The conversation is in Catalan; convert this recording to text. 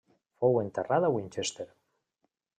Fou enterrat a Winchester.